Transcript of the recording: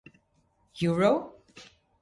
Eur.